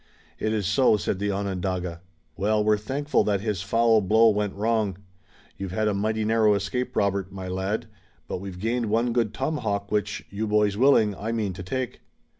"It is so," said the Onondaga. "Well, we're thankful that his foul blow went wrong. You've had a mighty narrow escape, Robert, my lad, but we've gained one good tomahawk which, you boys willing, I mean to take."